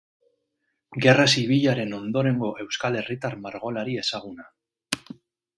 Gerra Zibilaren ondorengo euskal herritar margolari ezaguna.